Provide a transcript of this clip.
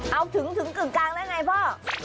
เอาถึงถึงกลางได้ไงพ่อ